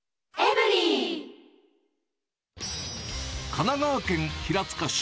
神奈川県平塚市。